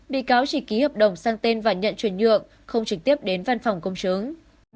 bị cáo chỉ ký hợp đồng sang tên và nhận chuyển nhượng không trực tiếp đến văn phòng công chứng